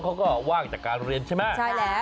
เค้าก็ว่างจากการเรียนใช่ไหม